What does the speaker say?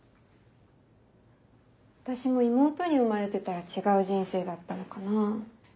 私も妹に生まれてたら違う人生だったのかな。